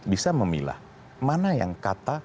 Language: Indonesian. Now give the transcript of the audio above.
bisa memilah mana yang kata